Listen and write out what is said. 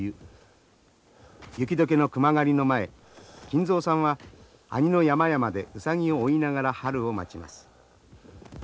雪解けの熊狩りの前金蔵さんは阿仁の山々でウサギを追いながら春を待ちます。